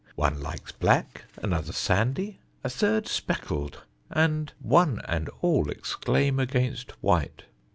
One likes black, another sandy, a third speckled, and one and all exclaim against white.